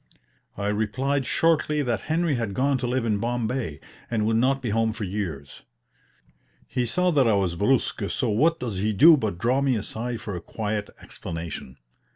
I replied shortly that Henry had gone to live in Bombay, and would not be home for years. He saw that I was brusk, so what does he do but draw me aside for a quiet explanation.